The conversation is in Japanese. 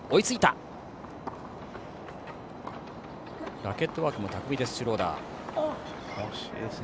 ラケットワークも巧みですシュローダー。